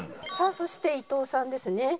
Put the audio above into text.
さあそして伊藤さんですね。